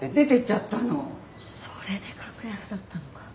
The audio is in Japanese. それで格安だったのか。